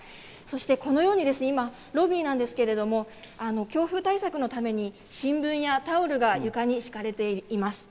このようにロビーなんですけれども、強風対策のために新聞やタオルが床に敷かれています。